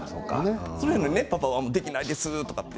でもパパはできないですって。